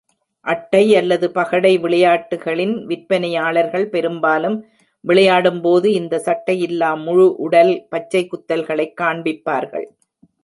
அட்டை அல்லது பகடை விளையாட்டுகளின் விற்பனையாளர்கள் பெரும்பாலும் விளையாடும் போது இந்த சட்டையில்லா முழு உடல் பச்சை குத்தல்களைக் காண்பிப்பார்கள்.